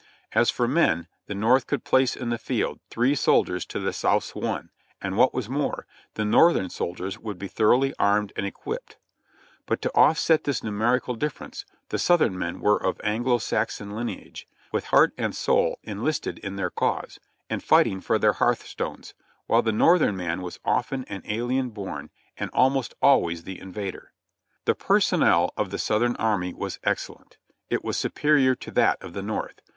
As for men, the North could place in the field three soldiers to the South's one, and what was more, the Northern soldiers would be thor oughly armed and equipped; but to off set this numerical dif ference the Southern men were of Anglo Saxon lineage, with heart and soul enlisted in their cause, and fighting for their hearth stones, while the Northern man was often an alien born, and almost always the invader. The personnel of the Southern army was excellent; it was superior to that of the North.